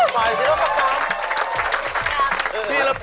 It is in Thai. ฝ่ายศรีภอกรรม